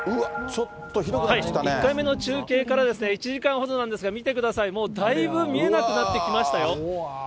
うわ、１回目の中継から１時間ほどなんですが、見てください、もうだいぶ見えなくなってきましたよ。